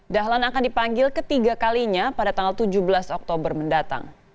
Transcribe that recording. dahlan akan dipanggil ketiga kalinya pada tanggal tujuh belas oktober mendatang